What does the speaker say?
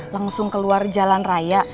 langsung keluar jalan raya